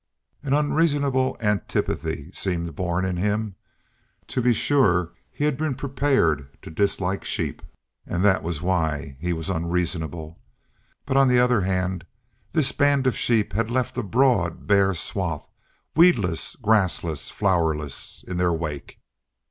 An unreasonable antipathy seemed born in him. To be sure he had been prepared to dislike sheep, and that was why he was unreasonable. But on the other hand this band of sheep had left a broad bare swath, weedless, grassless, flowerless, in their wake.